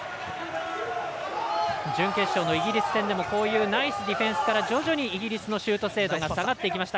準決勝のイギリス戦でもナイスディフェンスから徐々にイギリスのシュート精度下がっていきました。